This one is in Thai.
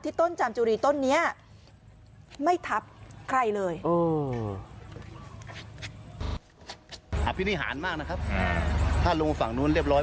ต้นจามจุรีต้นนี้ไม่ทับใครเลย